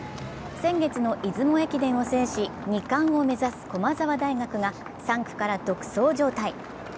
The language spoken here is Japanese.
先月の出雲駅伝を制し２冠を目指す駒沢大学が３区から独走状態。